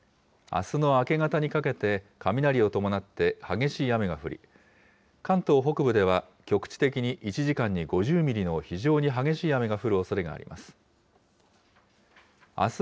あすの明け方にかけて、雷を伴って、激しい雨が降り、関東北部では局地的に１時間に５０ミリの非常に激しい雨が降るおそれがあります。